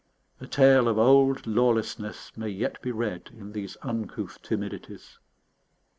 A tale of old lawlessness may yet be read in these uncouth timidities.